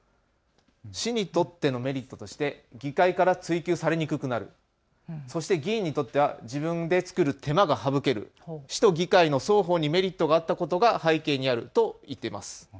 市にとってのメリットとして議会から追及されにくくなる、そして議員にとっては自分で作る手間が省ける、市と議会の双方にメリットがあったことが背景にあると言っています。